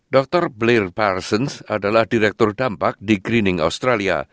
dr blair parsons adalah direktur dampak di greening australia